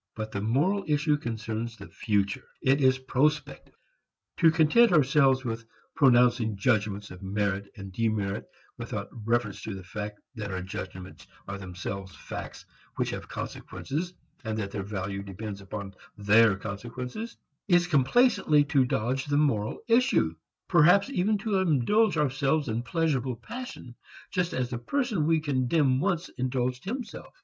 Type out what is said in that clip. But the moral issue concerns the future. It is prospective. To content ourselves with pronouncing judgments of merit and demerit without reference to the fact that our judgments are themselves facts which have consequences and that their value depends upon their consequences, is complacently to dodge the moral issue, perhaps even to indulge ourselves in pleasurable passion just as the person we condemn once indulged himself.